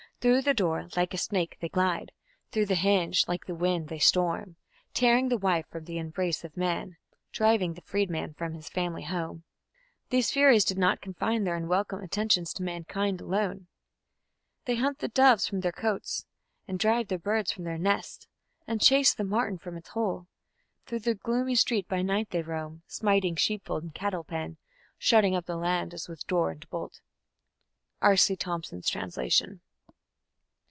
Through the door, like a snake, they glide, Through the hinge, like the wind, they storm, Tearing the wife from the embrace of the man, Driving the freedman from his family home. These furies did not confine their unwelcomed attentions to mankind alone: They hunt the doves from their cotes, And drive the birds from their nests, And chase the marten from its hole.... Through the gloomy street by night they roam, Smiting sheepfold and cattle pen, Shutting up the land as with door and bolt. _R.C. Thompson's Translation.